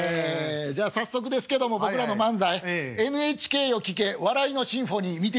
じゃあ早速ですけども僕らの漫才「ＮＨＫよ聞け笑いのシンフォニー」見ていただきましょう。